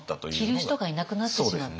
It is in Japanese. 着る人がいなくなってしまったっていう。